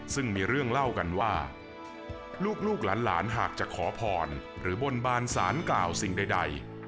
ซึ่งมีเรื่องเล่ากันว่าลูกหลานหากจะขอพรหรือบนบานสารกล่าวสิ่งใด